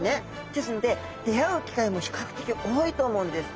ですので出会う機会も比較的多いと思うんです。